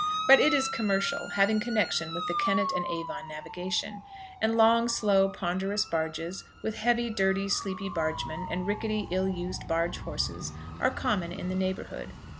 But it is commercial, having connection with the Kennet and Avon navigation; and long, slow, ponderous barges, with heavy, dirty, sleepy bargemen, and rickety, ill used barge horses, are common in the neighbourhood.